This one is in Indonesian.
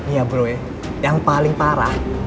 iya bro ya yang paling parah